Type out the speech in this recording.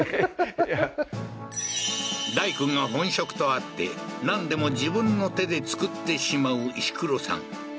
大工が本職とあって何でも自分の手で造ってしまう石黒さん